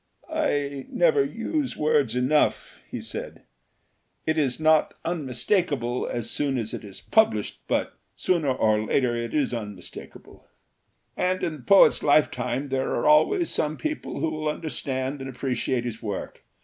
"I never use words enough," he said. "It is not unmis takable as soon as it is published, but sooner or later it is unmistakable. "And in the poet's lifetime there are always some people who will understand and appreciate his work.